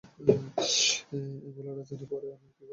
অ্যাঙ্গোলার রাজধানীর পড়ে আমি কী করবো?